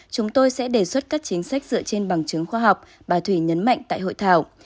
chúng tôi sẽ đề xuất các chính sách dựa trên bằng chứng khoa học bà thủy nhấn mạnh tại hội thảo